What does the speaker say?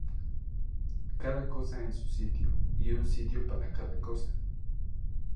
Cada cosa en su sitio, y un sitio para cada cosa